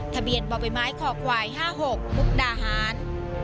ทะเบียนบ่อใบไม้ขอควาย๕๖มุกดาหาร